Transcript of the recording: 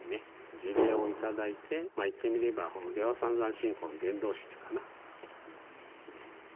辞令をいただいてまあ言ってみれば出羽三山信仰の伝道師というかな。